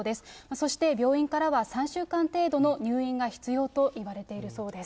そして、病院からは３週間程度の入院が必要といわれているそうです。